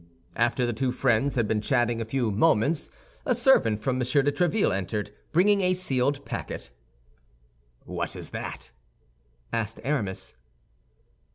After the two friends had been chatting a few moments, a servant from M. de Tréville entered, bringing a sealed packet. "What is that?" asked Aramis.